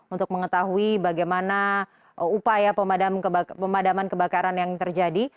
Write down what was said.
untuk mengetahui bagaimana upaya pemadaman kebakaran yang terjadi